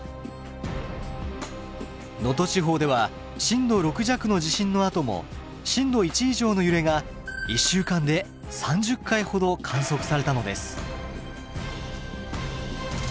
能登地方では震度６弱の地震のあとも震度１以上の揺れが１週間で３０回ほど観測されたのです。